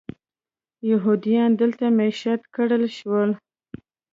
یهودیانو دلته مېشت کړل شول.